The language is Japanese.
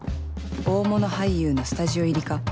大物俳優のスタジオ入りか